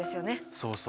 そうそう。